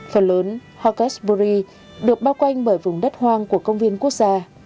phần lớn hawkesbury được bao quanh bởi vùng đất hoang của công viên quốc gia